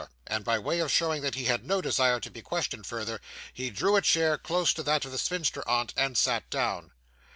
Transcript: and, by way of showing that he had no desire to be questioned further, he drew a chair close to that of the spinster aunt and sat down.